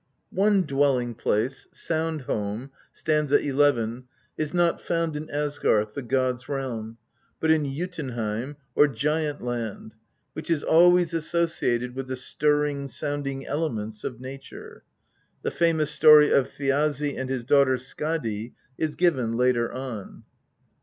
One dwelling place, Sound home (st. n), is not found in Asgarth, the gods' realm, but in Jotunheim, or Giant land, which is always associated with the stirring, sounding elements of nature. The famous story of Thiazi and his daughter Skadi is given later on.